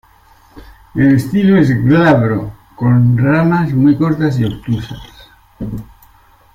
El estilo es glabro, con ramas muy cortas y obtusas.